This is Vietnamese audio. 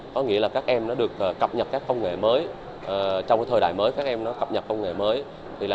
có nghĩa là các em đã được cập nhật các công nghệ mới trong thời đại mới các em cập nhật công nghệ mới